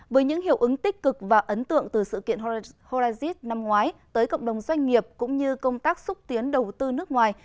với những hiệu ứng tích cực và ấn tượng từ sự kiện horacis năm ngoái tới cộng đồng doanh nghiệp cũng như công tác xúc tiến đầu tư nước ngoài